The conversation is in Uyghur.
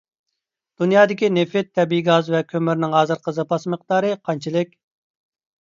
دۇنيادىكى نېفىت، تەبىئىي گاز ۋە كۆمۈرنىڭ ھازىرقى زاپاس مىقدارى قانچىلىك؟